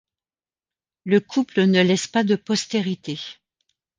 Le couple ne laisse pas de postérité.